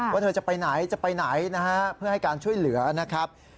ว่าเธอจะไปไหนจะไปไหนนะฮะเพื่อให้การช่วยเหลือนะครับ